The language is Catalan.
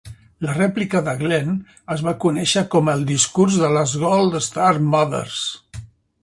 La rèplica de Glenn es va conèixer com el discurs de les "Gold Star Mothers".